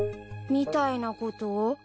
みたいなこと？